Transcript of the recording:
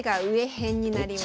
編になります。